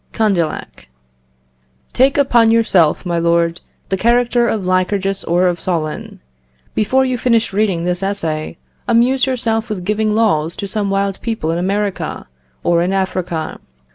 Condillac. "Take upon yourself, my lord, the character of Lycurgus or of Solon. Before you finish reading this essay, amuse yourself with giving laws to some wild people in America or in Africa.